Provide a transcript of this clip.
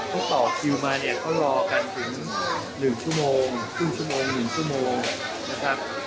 เขารอกันถึงหนึ่งชั่วโมงครึ่งชั่วโมงหนึ่งชั่วโมงนะครับ